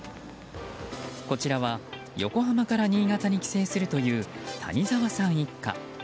こちらは横浜から新潟に帰省するという谷澤さん一家。